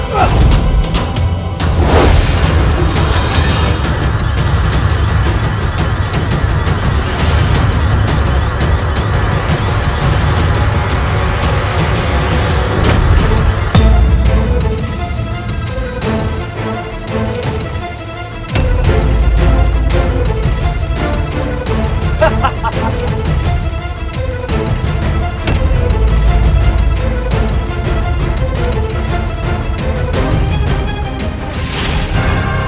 kau akan mendapatkannya